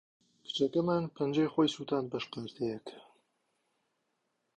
کچەکەمان پەنجەی خۆی سووتاند بە شقارتەیەک.